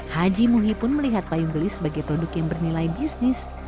haji muhi pun melihat payung gelis sebagai produk yang bernilai bisnis